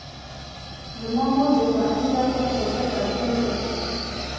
زما مور د پخلي لپاره تازه سبزيانې راټولوي.